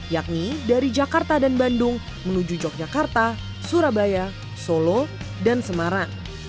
yakni dari jakarta dan bandung menuju yogyakarta surabaya solo dan semarang